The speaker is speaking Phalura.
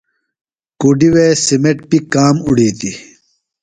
کُڈیۡ وے سِمیٹ بیۡ کام اُوڑویلیۡ۔